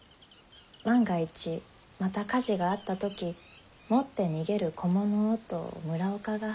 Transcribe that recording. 万が一また火事があった時持って逃げる小物をと村岡が。